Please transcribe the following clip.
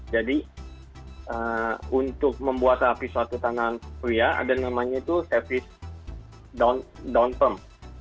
jadi untuk membuat rapi suatu tangan pria ada namanya itu service down perm